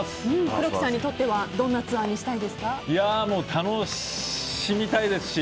黒木さんにとってはどんなツアーにしたいですか？